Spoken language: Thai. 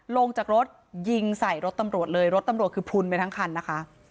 ลงจากรถยิงใส่รถตำรวจเลยรถตำรวจคือพลุนไปทั้งคันนะคะ